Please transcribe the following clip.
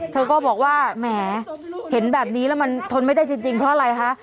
เธอก็บอกว่าแหมเห็นแบบนี้แล้วมันทนไม่ได้จริงเพราะอะไรคะ